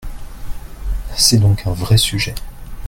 C’est donc un vrai sujet.